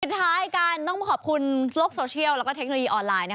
ท้ายกันต้องขอบคุณโลกโซเชียลแล้วก็เทคโนโลยีออนไลน์